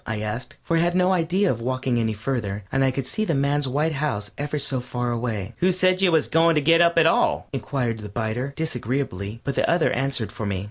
I asked, for I had no idea of walking any farther, and I could see the man's white house ever so far away. "Who said you was goin' to get up at all?" inquired the biter, disagreeably, but the other answered for me.